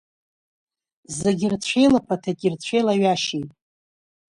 Зегьы рцәеилаԥаҭеит, ирцәеилаҩашьеит.